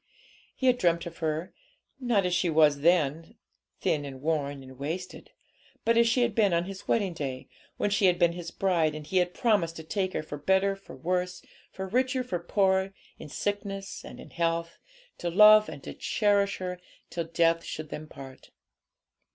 He had dreamt of her, not as she was then, thin and worn and wasted, but as she had been on his wedding day, when she had been his bride, and he had promised to take her 'for better, for worse, for richer, for poorer, in sickness and in health, to love and to cherish her, till death should them part.'